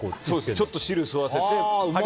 ちょっと汁を吸わせて。